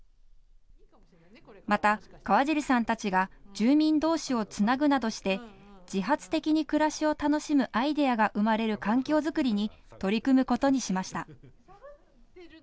また河尻さんたちが住民どうしをつなぐなどして自発的に暮らしを楽しむアイデアが生まれる環境作りに取り組むことにしました。